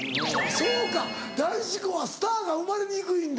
そうか男子校はスターが生まれにくいんだ。